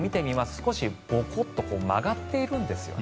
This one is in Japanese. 少し曲がっているんですよね。